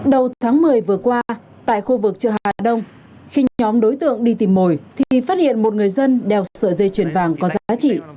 đầu tháng một mươi vừa qua tại khu vực chợ hà đông khi nhóm đối tượng đi tìm mồi thì phát hiện một người dân đeo sợi dây chuyển vàng có giá trị